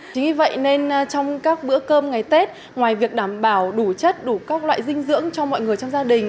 chính vì vậy nên trong các bữa cơm ngày tết ngoài việc đảm bảo đủ chất đủ các loại dinh dưỡng cho mọi người trong gia đình